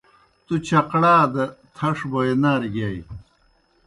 تُوْ چقڑا دہ تھݜ بوئے نارہ گِیائے۔